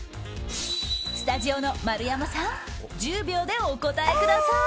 スタジオの丸山さん１０秒でお答えください。